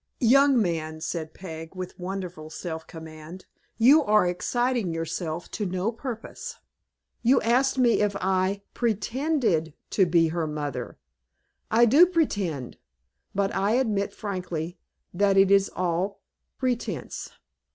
"Young man," said Peg, with wonderful self command, "you are exciting yourself to no purpose. You asked me if I pretended to be her mother. I do pretend; but I admit, frankly, that it is all pretence."